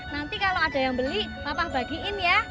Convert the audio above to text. nanti kalau ada yang beli papa bagiin ya